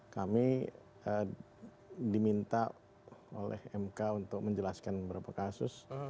kami diminta oleh mk untuk menjelaskan beberapa kasus